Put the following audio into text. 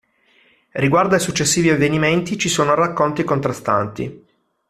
Riguardo ai successivi avvenimenti ci sono racconti contrastanti.